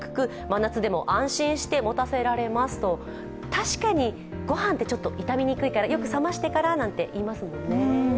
確かにご飯ってちょっと傷みにくいから、よく冷ましてからといいますもんね。